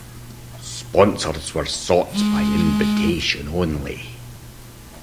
Sponsors were sought by invitation only.